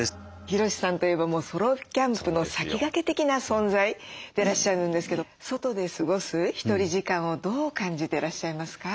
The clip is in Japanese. ヒロシさんといえばソロキャンプの先駆け的な存在でいらっしゃるんですけど外で過ごすひとり時間をどう感じてらっしゃいますか？